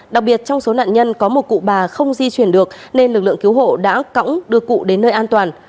đặc biệt trong số nạn nhân có một cụ bà không di chuyển được nên lực lượng cứu hộ đã cõng đưa cụ đến nơi an toàn